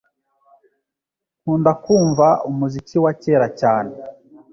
Nkunda kumva umuziki wa kera cyane.